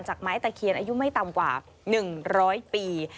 ไม้ตะเคียนอายุไม่ต่ำกว่า๑๐๐ปี